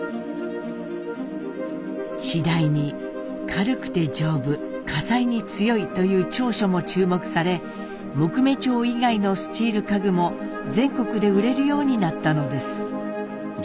次第に「軽くて丈夫」「火災に強い」という長所も注目され木目調以外のスチール家具も全国で売れるようになったのです。